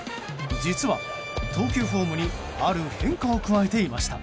実は、投球フォームにある変化を加えていました。